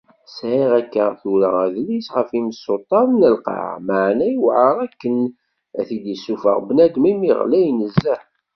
Sεiɣ akka tura adlis ɣef yimsuṭṭaḍ n lqaεa, meεna iwεer akken ad t-id-yessufeɣ bnadem imi ɣlay nezzeh.